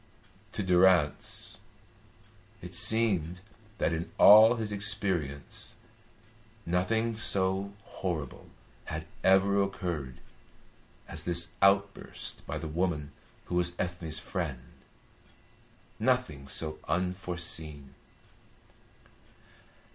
To Durrance it seemed that in all his experience nothing so horrible had ever occurred as this outburst by the woman who was Ethne's friend, nothing so unforeseen.